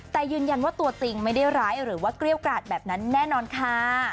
แต่ยืนยันว่าตัวจริงไม่ได้ร้ายหรือว่าเกรี้ยวกราดแบบนั้นแน่นอนค่ะ